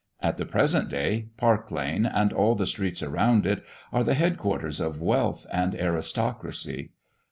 At the present day, Park lane, and all the streets around it, are the head quarters of wealth and aristocracy.